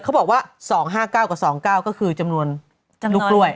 เขาบอกว่า๒๕๙กับ๒๙ก็คือจำนวนลูกกล้วย